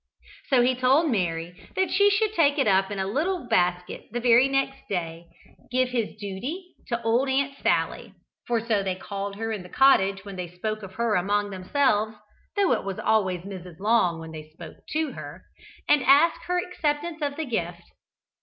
So he told Mary that she should take it up in a little basket the very next day, give his "duty" to "old aunt Sally" (for so they called her in the cottage when they spoke of her among themselves, though it was always "Mrs. Long" when they spoke to her) and ask her acceptance of the gift.